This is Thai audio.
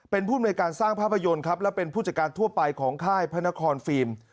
เป็นผู้อำนวยการสร้างภาพยนตร์ครับและเป็นผู้จัดการทั่วไปของค่ายพระนครฟิล์ม